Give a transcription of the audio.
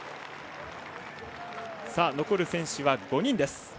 残る選手は５人です。